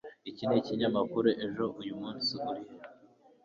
iki nikinyamakuru ejo. uyu munsi urihe